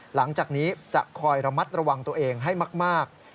หลังจากนี้จะคอยระมัดระวังตัวเองให้มาก